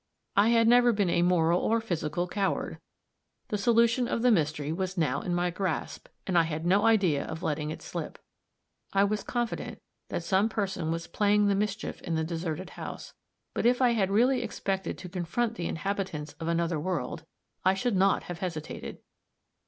I had never been a moral or physical coward. The solution of the mystery was now in my grasp, and I had no idea of letting it slip. I was confident that some person was playing the mischief in the deserted house; but if I had really expected to confront the inhabitants of another world, I should not have hesitated.